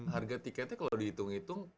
harga tiketnya kalau dihitung hitung